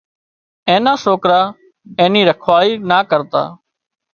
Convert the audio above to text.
اين نا سوڪرا اين ني رکواۯي نا ڪرتا